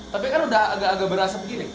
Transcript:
tapi kan udah agak agak berasap gini